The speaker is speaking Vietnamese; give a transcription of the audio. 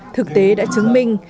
thực tế đã chứng minh